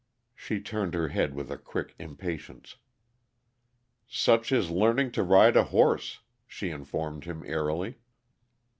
She turned her head with a quick impatience. "Such is learning to ride a horse," she informed him airily.